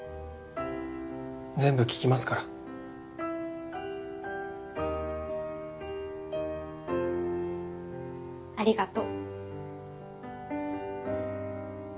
全部聞きますから。ありがと。